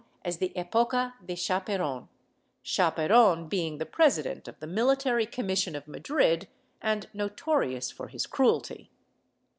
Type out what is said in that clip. I] DEMANDS FOR THE INQUISITION 453 Epocha de Chaperon — Chaperon being the president of the military commission of Madrid and notorious for his cruelty.